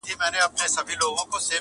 او د کلي اوسېدونکي یې -